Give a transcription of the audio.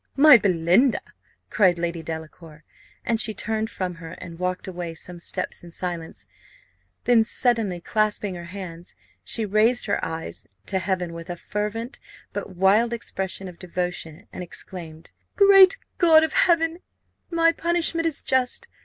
my Belinda!" cried Lady Delacour, and she turned from her, and walked away some steps in silence; then suddenly clasping her hands, she raised her eyes to heaven with a fervent but wild expression of devotion, and exclaimed, "Great God of heaven, my punishment is just!